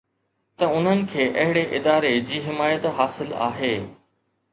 ته انهن کي اهڙي اداري جي حمايت حاصل آهي